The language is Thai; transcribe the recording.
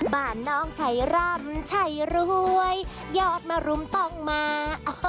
บ้านน้องชัยรำชัยรวยยอดมรุมต้องมา